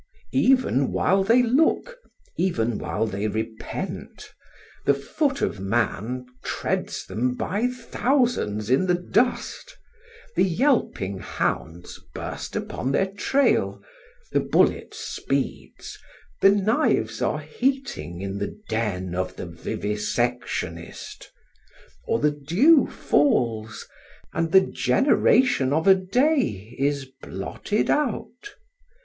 Even while they look, even while they repent, the foot of man treads them by thousands in the dust, the yelping hounds burst upon their trail, the bullet speeds, the knives are heating in the den of the vivisectionist; or the dew falls, and the generation of a day is blotted out.